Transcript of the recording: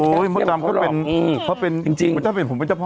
โอ้ยมันกำลังเป็นเพราะเป็นจริงจริงจะเป็นผมเป็นเจ้าพ่อ